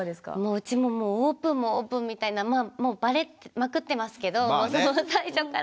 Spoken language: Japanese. うちももうオープンもオープンみたいなもうバレまくってますけど最初から。